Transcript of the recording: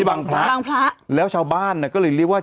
บังพระแล้วชาวบ้านก็เลยเรียกว่า